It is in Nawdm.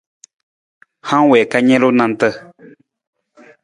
Hang wii ka nalu nanta.